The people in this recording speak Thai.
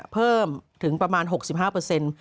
เพิ่มถึงประมาณ๖๕เปอร์เซ็นต์